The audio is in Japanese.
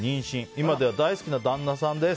今では大好きな旦那さんです。